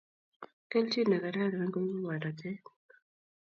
Keljin ne kararan koibu borotet